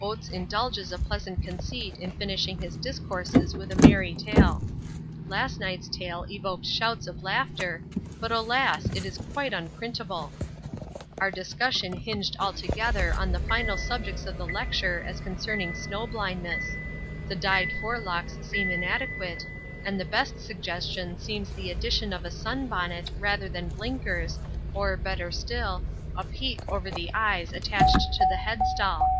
Oates indulges a pleasant conceit in finishing his discourses with a merry tale. Last night's tale evoked shouts of laughter, but, alas! it is quite unprintable! Our discussion hinged altogether on the final subjects of the lecture as concerning snow blindness the dyed forelocks seem inadequate, and the best suggestion seems the addition of a sun bonnet rather than blinkers, or, better still, a peak over the eyes attached to the headstall.